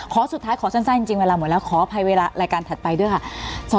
สุดท้ายขอสั้นจริงเวลาหมดแล้วขออภัยเวลารายการถัดไปด้วยค่ะ